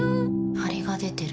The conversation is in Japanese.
ハリが出てる。